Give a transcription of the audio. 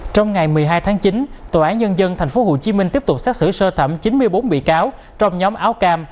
trong ngày một mươi hai tháng chín tòa án nhân dân tp hcm tiếp tục xác xử sơ thẩm chín mươi bốn bị cáo trong nhóm áo cam